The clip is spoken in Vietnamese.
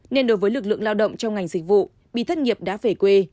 nên đối với lực lượng lao động trong ngành dịch vụ bị thất nghiệp đã về quê